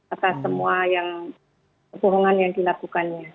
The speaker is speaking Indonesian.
atas semua yang kebohongan yang dilakukannya